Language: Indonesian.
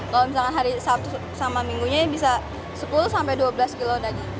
kalau misalkan hari sabtu sama minggunya bisa sepuluh sampai dua belas kilo daging